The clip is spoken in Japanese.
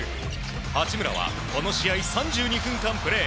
八村はこの試合３２分間プレー。